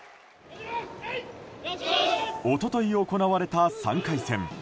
一昨日行われた３回戦。